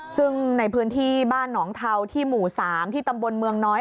ซึ่งในพื้นที่บ้านหนองเทาที่หมู่๓ที่ตำบลเมืองน้อย